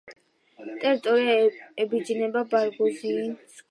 ტერიტორია ებჯინება ბარგუზინის ქედის მთებს.